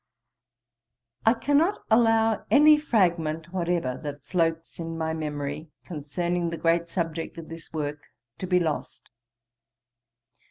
I cannot allow any fragment whatever that floats in my memory concerning the great subject of this work to be lost.